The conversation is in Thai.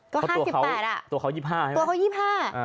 ก็๕๘อะตัวเขา๒๕ใช่ไหมอ่าอ่าอ่าตัวเขา๒๕